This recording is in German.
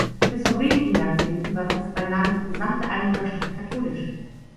Bis vor wenigen Jahrzehnten war fast beinahe die gesamte Einwohnerschaft katholisch.